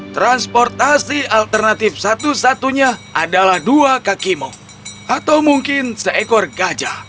transportasi alternatif satu satunya adalah dua kakimu atau mungkin seekor gajah